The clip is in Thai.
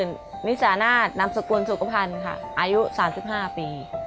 นิสานาศนามสกุลสุขภัณฑ์ค่ะอายุ๓๕ปี